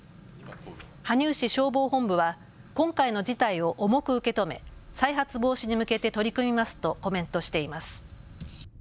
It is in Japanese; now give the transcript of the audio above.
羽生市消防本部は今回の事態を重く受け止め再発防止に向けて取り組みますとコメントしています。